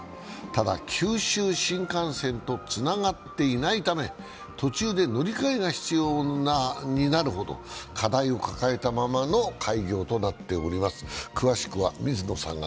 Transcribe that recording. ただ九州新幹線とつながっていないため、途中で乗り換えが必要になるなど課題を抱えたままの開業となっております。